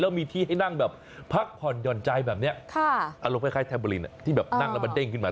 แล้วมีที่ให้นั่งแบบพักผ่อนหย่อนใจแบบนี้อารมณ์คล้ายแทเบอร์ลินที่แบบนั่งแล้วมันเด้งขึ้นมา